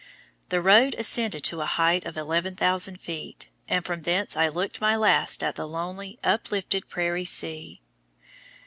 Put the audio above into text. The road ascended to a height of 11,000 feet, and from thence I looked my last at the lonely, uplifted prairie sea.